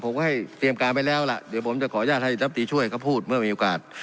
ผมก็ให้เตรียมการไปแล้วล่ะเดี๋ยวผมจะขออนุญาตให้รับตีช่วยเขาพูดเมื่อมีโอกาส